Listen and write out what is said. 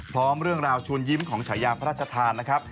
พร้อมเรื่องราวชวนยิ้มของฉายาพระราชทานนะครับ